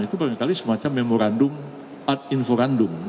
itu paling kali semacam memorandum ad inforandum